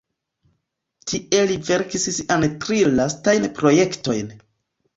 Tie li verkis siajn tri lastajn projektojn.